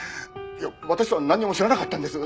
いや私はなんにも知らなかったんです。